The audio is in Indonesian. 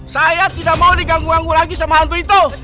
saya tidak mau diganggu ganggu lagi sama hantu itu